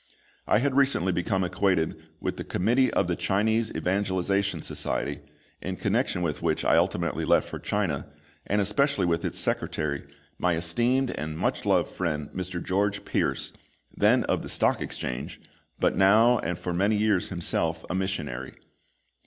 I had recently become acquainted with the Committee of the Chinese Evangelisation Society, in connection with which I ultimately left for China, and especially with its secretary, my esteemed and much loved friend Mr. George Pearse, then of the Stock Exchange, but now and for many years himself a missionary.